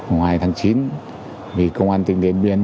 ngoài tháng chín vì công an tỉnh điện biên